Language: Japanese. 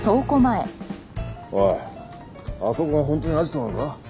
おいあそこが本当にアジトなのか？